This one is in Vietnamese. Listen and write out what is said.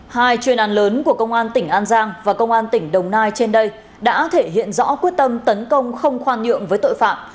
hai chuyên án lớn của công an tỉnh an giang và công an tỉnh đồng nai trên đây đã thể hiện rõ quyết tâm tấn công không khoan nhượng với tội phạm